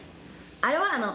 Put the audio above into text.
あれは？